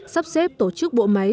sắp xếp tổ chức bộ máy